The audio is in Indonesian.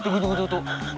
tunggu tunggu tunggu